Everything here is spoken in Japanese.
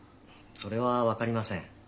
それは分かりません。